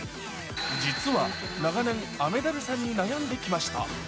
実は長年、雨ダルさんに悩んできました。